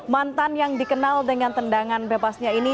mantan yang dikenal dengan tendangan bebasnya ini